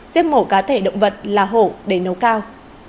giết mổ cá thể động vật là hổ để nấu cao